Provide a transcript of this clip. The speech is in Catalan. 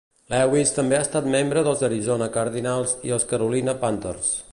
Lewis també ha estat membre dels Arizona Cardinals i dels Carolina Panthers.